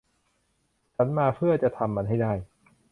ฉันมาเพื่อจะทำมันให้ได้